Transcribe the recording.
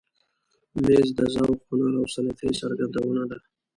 مېز د ذوق، هنر او سلیقې څرګندونه ده.